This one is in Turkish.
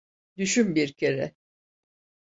Düşün bir kere.